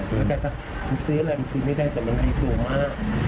เข้าใจปะมันซื้ออะไรมันซื้อไม่ได้แต่มันดีสูงมาก